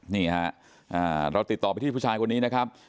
นี่ฮะเราติดต่อไปที่ผู้ชายคนนี้นะครับ